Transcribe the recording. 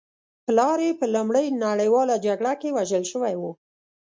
پلار یې په لومړۍ نړۍواله جګړه کې وژل شوی و